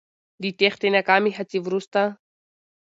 د تېښتې ناکامې هڅې وروسته